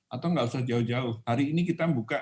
atau nggak usah jauh jauh hari ini kita buka